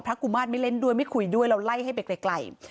กุมาตรไม่เล่นด้วยไม่คุยด้วยเราไล่ให้ไปไกล